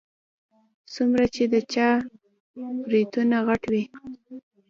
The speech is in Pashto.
څومره چې د چا برېتونه غټ وي.